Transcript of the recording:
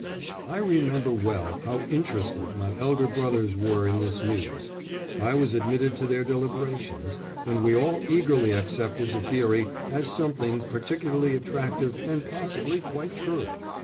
"I remember well how interested my elder brothers were in this news; I was admitted to their deliberations, and we all eagerly accepted the theory as something particularly attractive and possibly quite true.